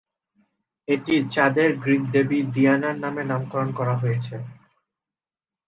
এটি চাঁদের গ্রিক দেবী দীয়ানার নামে নামকরণ করা হয়েছে।